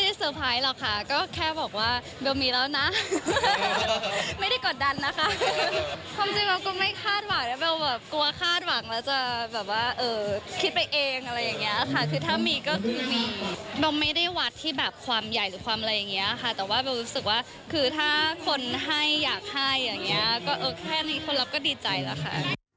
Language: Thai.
แบบไม่ได้วัดที่แบบความใหญ่หรือความอะไรอย่างเงี้ยค่ะแต่ว่าแบบรู้สึกว่าคือถ้าคนให้อยากให้อย่างเงี้ยก็เออแค่นี้คนรับก็ดีใจแล้วค่ะ